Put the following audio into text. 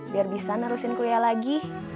biar bisa nerusin kuliah lagi